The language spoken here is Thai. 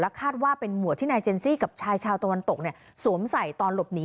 คาดว่าเป็นหวดที่นายเจนซี่กับชายชาวตะวันตกสวมใส่ตอนหลบหนี